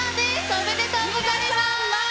おめでとうございます！